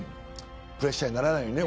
プレッシャーにならないようにね。